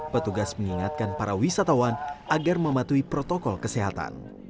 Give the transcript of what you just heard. petugas mengingatkan para wisatawan agar mematuhi protokol kesehatan